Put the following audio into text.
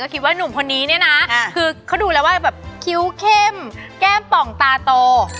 คิดว่าหนุ่มคนนี้เนี่ยนะคือเขาดูแล้วว่าแบบคิ้วเข้มแก้มป่องตาโต